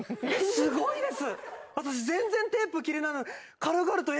すごいです。